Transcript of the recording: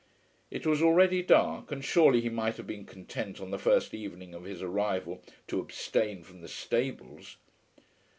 It was already dark, and surely he might have been content on the first evening of his arrival to abstain from the stables!